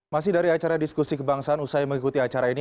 masih dari acara diskusi kebangsaan usai mengikuti acara ini